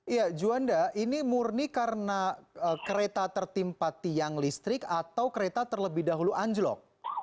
iya juanda ini murni karena kereta tertimpa tiang listrik atau kereta terlebih dahulu anjlok